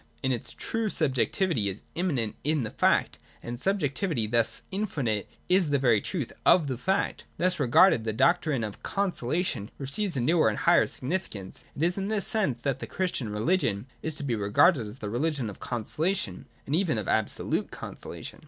In its truth subjectivity is immanent in the fact, and as a subjectivity thus infinite is the very truth of the fact. Thus regarded, the doctrine of consolation receives a newer and a higher significance. It is in this sense that the Christian religion is to be regarded as the religion of conso lation, and even of absolute consolation.